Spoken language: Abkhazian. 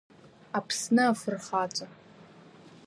Аԥсны Афырхаҵа!